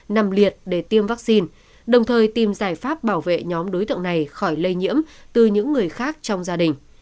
nằm liệt để tiêm vaccine đồng thời tìm giải pháp bảo vệ nhóm đối tượng này khỏi lây nhiễm từ những người khác trong gia đình